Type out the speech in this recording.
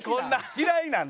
嫌いなん？